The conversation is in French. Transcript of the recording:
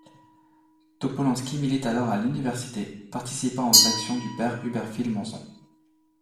Topolansky milite alors à l'université, participant aux actions du père Uberfil Monzón.